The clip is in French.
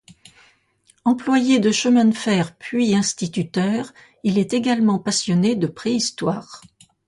Employé de chemin de fer puis instituteur, il est également passionné de préhistoire.